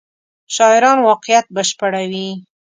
شاعران واقعیت بشپړوي.